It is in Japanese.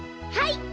はい。